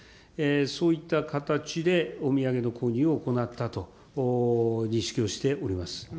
そういった形でお土産の購入を行ったと認識をしております。